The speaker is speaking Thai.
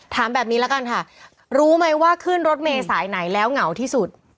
ถามแบบนี้ละกันค่ะรู้ไหมว่าขึ้นรถเมย์สายไหนแล้วเหงาที่สุด